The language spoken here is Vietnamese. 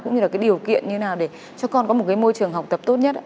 cũng như là cái điều kiện như nào để cho con có một cái môi trường học tập tốt nhất ạ